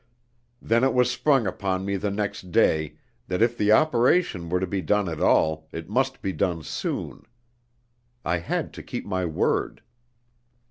Then it was sprung upon me the next day, that if the operation were to be done at all, it must be done soon. I had to keep my word.